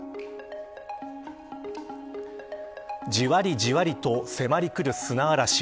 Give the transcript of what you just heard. じわりじわりと迫り来る砂嵐。